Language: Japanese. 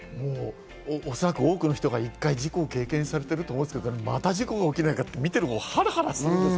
おそらく多くの人が一回、事故を経験されてると思うんですけど、また事故が起きないかと、見ているほうはハラハラする。